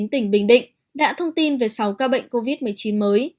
tỉnh bình định đã thông tin về sáu ca bệnh covid một mươi chín mới